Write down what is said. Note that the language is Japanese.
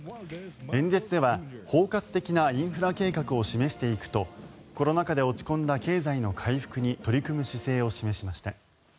演説では包括的なインフラ計画を示していくとコロナ禍で落ち込んだ経済の回復に取り組む姿勢を示しました。